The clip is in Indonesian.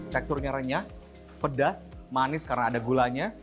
teksturnya renyah pedas manis karena ada gulanya